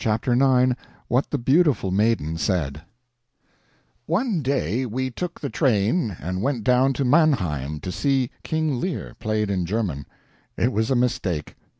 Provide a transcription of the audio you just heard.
CHAPTER IX [What the Beautiful Maiden Said] One day we took the train and went down to Mannheim to see "King Lear" played in German. It was a mistake.